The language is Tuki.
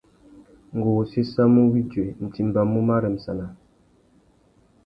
Ngú wô séssamú widuï ; nʼtimbamú marremsana.